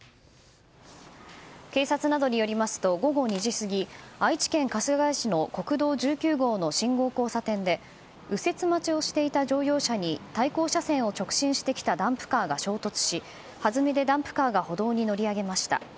警察などによりますと午後２時過ぎ愛知県春日井市の国道１９号の信号交差点で右折待ちをしていた乗用車に対向車線を直進してきたダンプカーが衝突しはずみでダンプカーが歩道に乗り上げました。